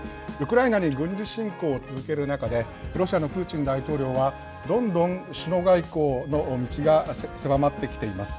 ウクライナに軍事侵攻を続ける中で、ロシアのプーチン大統領は、どんどん首脳外交の道が狭まってきています。